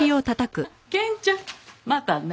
賢ちゃんまたね。